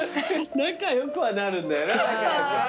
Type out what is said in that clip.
仲良くはなるんだよな。